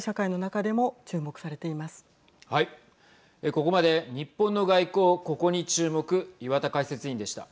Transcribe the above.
ここまで日本の外交ココに注目岩田解説委員でした。